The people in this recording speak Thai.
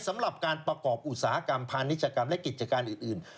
สำหรับการประกอบอุตสาหกรรมพาณิชกรรมและกิจการอื่น